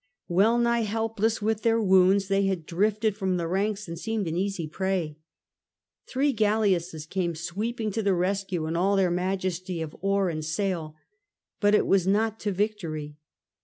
Well nigh helpless with their wounds, they had drifted from the ranks and seemed an easy prey. Three galleasses came sweeping to the rescue in all their majesty of oar and sail ; but it was not to victory.